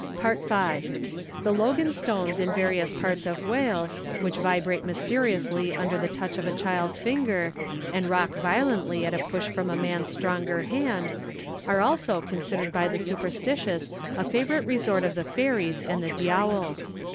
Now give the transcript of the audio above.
V. The logan stones in various parts of Wales, which vibrate mysteriously under the touch of a child's finger, and rock violently at a push from a man's stronger hand, are also considered by the superstitious a favourite resort of the fairies and the diawl.